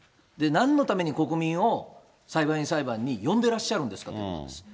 なんのために国民を裁判員裁判に呼んでらっしゃるんですかということです。